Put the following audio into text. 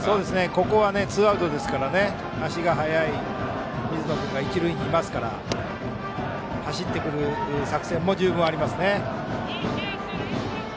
ここはツーアウトですから足が速い水野君が一塁にいますから走ってくる作戦も十分ありますね。